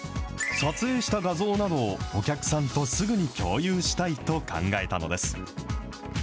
撮影した画像などをお客さんとすぐに共有したいと考えたのです。